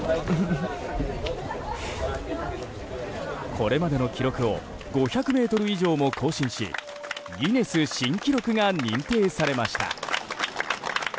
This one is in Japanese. これまでの記録を５００ｍ以上も更新しギネス新記録が認定されました。